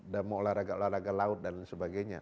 dan mau olahraga olahraga laut dan sebagainya